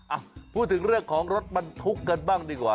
อ่ะพูดถึงเรื่องของรถบรรทุกกันบ้างดีกว่า